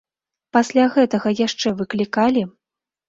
Пасля гэтага яшчэ выклікалі?